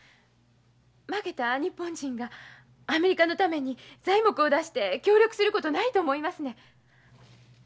負けた日本人がアメリカのために材木を出して協力することないと思いますねん。